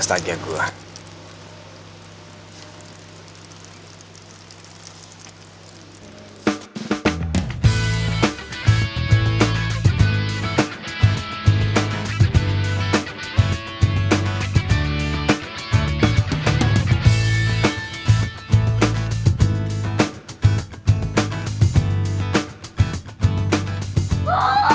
ya tapi perjanjiannya batal loh